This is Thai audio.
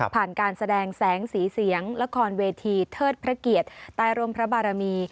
การแสดงแสงสีเสียงละครเวทีเทิดพระเกียรติใต้ร่มพระบารมี